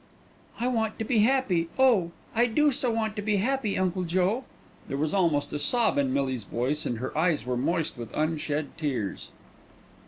"I want to be happy, oh! I do so want to be happy, Uncle Joe." There was almost a sob in Millie's voice and her eyes were moist with unshed tears.